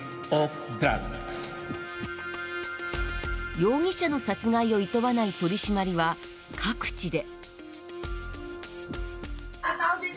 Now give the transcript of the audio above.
容疑者の殺害をいとわない取り締まりは各地で。